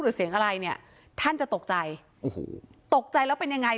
แบบเสียงอะไรเนี่ยท่านจะตกใจตกใจแล้วเป็นยังไง